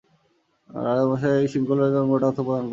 রাজামশাই এই শিংগুলোর জন্য মোটা অর্থ প্রদান করবেন।